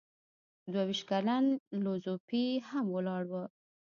دوه ویشت کلن لو ځو پي هم ولاړ و.